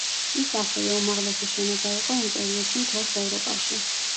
ის ასევე უმაღლესი შენობა იყო იმ პერიოდში მთელს ევროპაში.